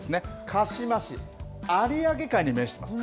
鹿島市、有明海に面してます。